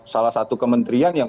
salah satu kementerian yang